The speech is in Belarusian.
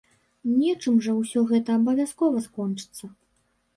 Нечым жа ўсё гэта абавязкова скончыцца.